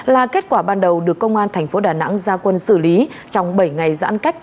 là kết quả ban đầu được công an thành phố đà nẵng gia quân xử lý trong bảy ngày giãn cách